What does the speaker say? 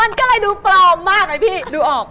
มันก็เลยดูปลอมมากไงพี่ดูออก